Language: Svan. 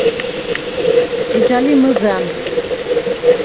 ეჯა ლი მჷზა̈ნ.